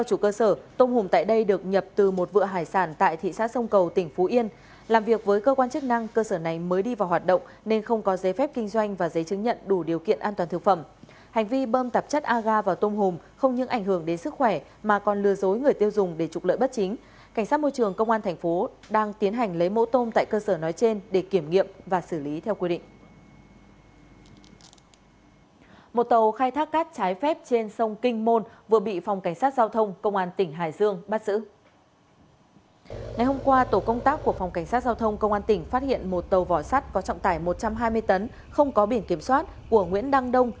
công tác của phòng cảnh sát giao thông công an tỉnh phát hiện một tàu vỏ sắt có trọng tải một trăm hai mươi tấn không có biển kiểm soát của nguyễn đăng đông